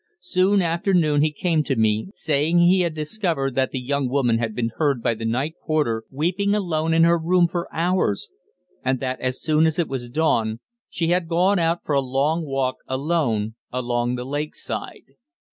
Soon after noon he came to me, saying he had discovered that the young lady had been heard by the night porter weeping alone in her room for hours, and that, as soon as it was dawn, she had gone out for a long walk alone along the lake side.